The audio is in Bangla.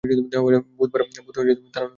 ভুত তাড়ানোর তান্ত্রিক।